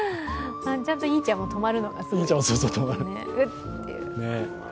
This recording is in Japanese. ちゃんといーちゃんも止まるのがすごい。